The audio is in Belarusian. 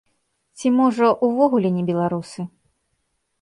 Ці, можа, увогуле не беларусы?